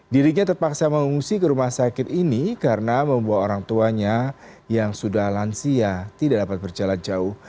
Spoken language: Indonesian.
dirinya terpaksa mengungsi ke rumah sakit ini karena membawa orang tuanya yang sudah lansia tidak dapat berjalan jauh